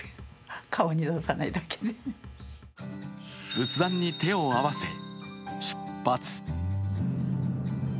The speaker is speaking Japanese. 仏壇に手を合わせ出発。